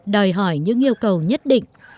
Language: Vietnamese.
đòi hỏi những yêu cầu nhất định